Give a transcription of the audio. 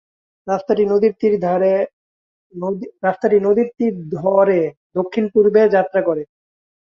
রাস্তাটি নদীর তীর ধরে দক্ষিণপূর্বে যাত্রা করে।